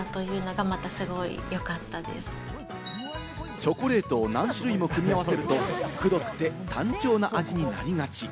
チョコレートを何種類も組み合わせると、くどくて単調な味になりがち。